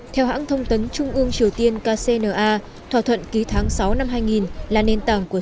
theo hãng thông tấn trung ương triều tiên kcna thỏa thuận ký tháng sáu năm hai nghìn là nền tảng của